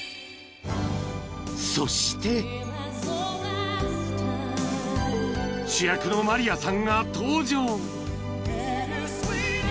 ［そして］［主役のマリアさんが登場］